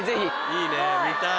いいね見たい。